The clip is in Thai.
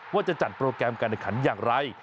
ว่าจะจัดโปรแกรมการแข่งขันอย่างไร